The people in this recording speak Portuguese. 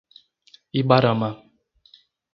Ibarama